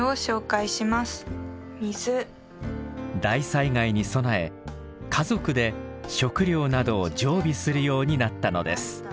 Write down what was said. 大災害に備え家族で食料などを常備するようになったのです。